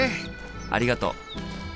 ありがとう。